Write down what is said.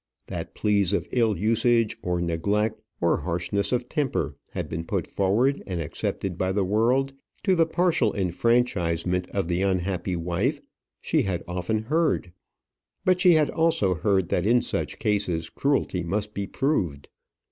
That pleas of ill usage, of neglect, of harshness of temper, had been put forward and accepted by the world, to the partial enfranchisement of the unhappy wife, she had often heard. But she had also heard that in such cases cruelty must be proved.